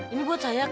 ini buat saya ki